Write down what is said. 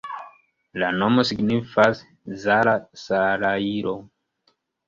La nomo signifas: Zala-salajro.